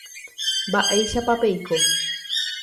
Mba’éichapa peiko.